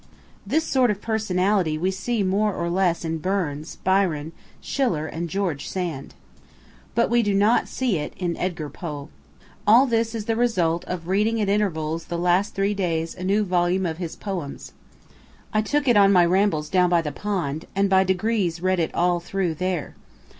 This sort of personality we see more or less in Burns, Byron, Schiller, and George Sand. But we do not see it in Edgar Poe. (All this is the result of reading at intervals the last three days a new volume of his poems I took it on my rambles down by the pond, and by degrees read it all through there.)